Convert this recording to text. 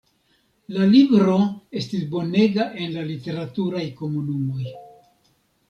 La libro estis bonega en la literaturaj komunumoj.